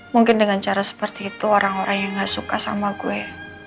mungkin dengan cara seperti itu orang orang yang gak suka sama gue